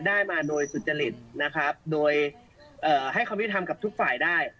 ได้มาโดยสุจริตนะครับโดยเอ่อให้ความยุติธรรมกับทุกฝ่ายได้